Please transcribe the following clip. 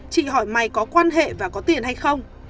chị hỏi mày có quan hệ và có tiền hay không